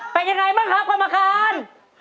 เป็นยังไงบ้างครับกรรมการ